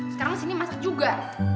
sekarang sini masak juga